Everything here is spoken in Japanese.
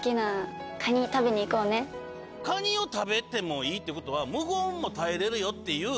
カニを食べてもいいって事は無言も耐えれるよっていう。